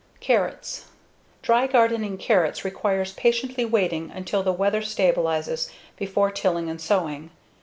Carrots Dry gardening carrots requires patiently waiting until the weather stabilizes before tilling and sowing.